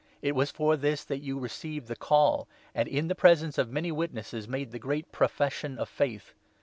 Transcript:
It was for this that you received the Call, and, in the presence of many witnesses, made the great profession of Faith.